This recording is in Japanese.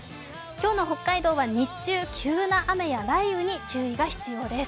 今日の北海道は日中、急な雨や雷雨に注意が必要です。